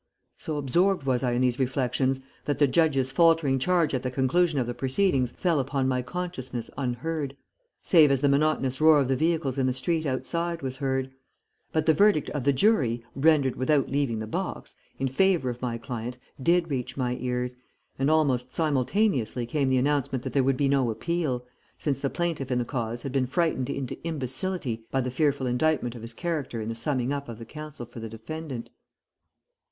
So absorbed was I in these reflections that the judge's faltering charge at the conclusion of the proceedings fell upon my consciousness unheard, save as the monotonous roar of the vehicles in the street outside was heard; but the verdict of the jury, rendered without leaving the box, in favour of my client did reach my ears, and almost simultaneously came the announcement that there would be no appeal, since the plaintiff in the cause had been frightened into imbecility by the fearful indictment of his character in the summing up of the counsel for the defendant."